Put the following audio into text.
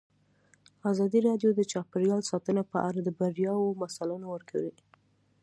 ازادي راډیو د چاپیریال ساتنه په اړه د بریاوو مثالونه ورکړي.